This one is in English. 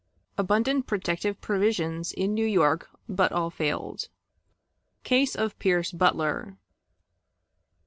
Abundant Protective Provisions in New York, but all failed. Case of Pierce Butler.